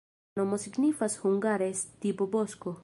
La nomo signifas hungare: stipo-bosko.